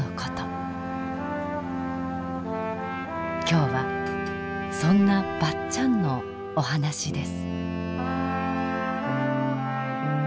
今日はそんなばっちゃんのお話です。